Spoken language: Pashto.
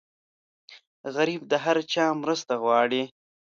غریب د هر چا مرسته غواړي